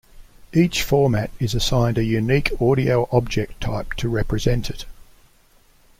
Each format is assigned a unique Audio Object Type to represent it.